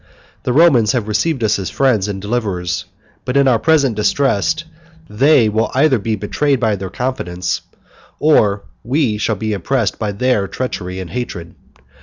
The Romans have received us as friends and deliverers: but in our present distress, they will be either betrayed by their confidence, or we shall be oppressed by their treachery and hatred.